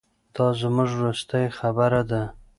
دا زموږ وروستۍ خبره ده.